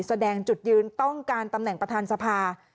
แสดงจุดยืนต้องการตำแหน่งประธานสภา